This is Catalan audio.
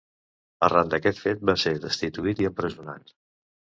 Arran d'aquest fet va ser destituït i empresonat.